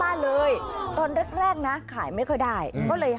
มอลำคลายเสียงมาแล้วมอลำคลายเสียงมาแล้ว